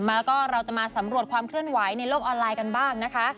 แล้วก็เราจะมาสำรวจความเคลื่อนไหวในโลกออนไลน์กันบ้างนะคะ